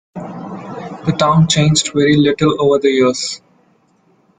The town changed very little over the years.